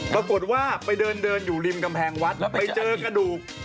ปรากฏว่าไปเดินอยู่ริมกำแพงวัดไปเจอกระดูก